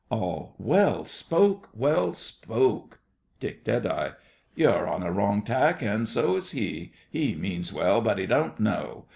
ALL. Well spoke! well spoke! DICK. You're on a wrong tack, and so is he. He means well, but he don't know.